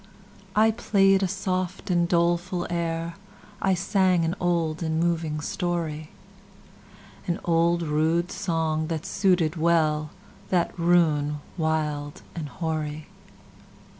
I play'd a soft and doleful air,I sang an old and moving story—An old rude song, that suited wellThat ruin wild and hoary.